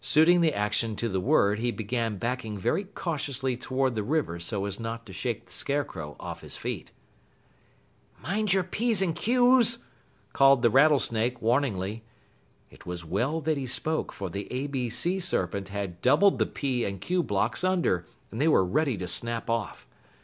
Suiting the action to the word, he began backing very cautiously toward the river so as not to shake the Scarecrow off his feet. "Mind your P's and Q's!" called the Rattlesnake warningly. It was well that he spoke, for the A B Sea Serpent had doubled the P and Q blocks under, and they were ready to snap off.